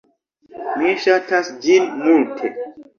Mi ŝatas ĝin multe!